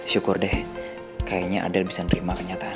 syukur deh kayaknya adel bisa nerima kenyataan